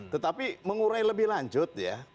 tetapi mengurai lebih lanjut ya